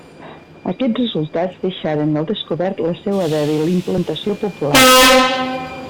Aquests resultats deixaren al descobert la seva dèbil implantació popular.